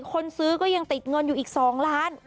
คนซื้อก็ยังติดเงินอยู่อีก๒ล้าน